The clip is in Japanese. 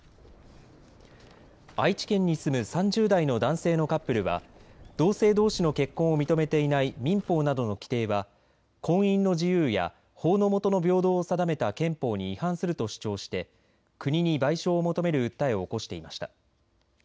愛知県に住む３０代の男性のカップルは同性どうしの結婚を認めていない民法などの規定は婚姻の自由や法の下の平等を定めた憲法に違反すると主張して国に賠償を求める訴えを起こしていました。